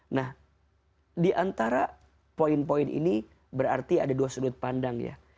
nah di antara poin poin ini berarti ada dua sudut pandang ya